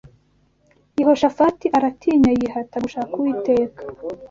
Yehoshafati aratinya, yihata gushaka Uwiteka